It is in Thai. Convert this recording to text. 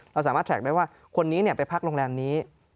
เราสามารถแทรกได้ว่าคนนี้ไปพักโรงแรมนี้